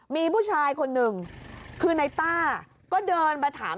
มีผู้ชายคนหนึ่งคือนายต้าก็เดินมาถาม